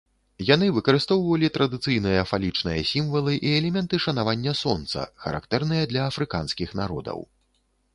Яны выкарыстоўвалі традыцыйныя фалічныя сімвалы і элементы шанавання сонца, характэрныя для афрыканскіх народаў.